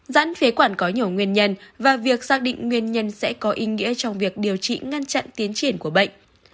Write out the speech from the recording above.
giãn phế quản có nhiều nguyên nhân và việc xác định nguyên nhân sẽ có ý nghĩa trong việc điều trị ngăn chặn tiến triển của bệnh